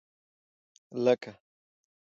لکه.